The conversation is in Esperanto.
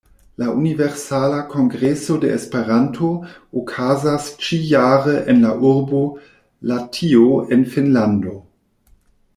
La Universala Kongreso de Esperanto okazos ĉi-jare en la urbo Lahtio en Finnlando.